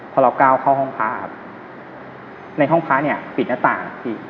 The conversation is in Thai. พอเราก้าวเข้าห้องพ้าในห้องพ้าปิดหน้าต่าง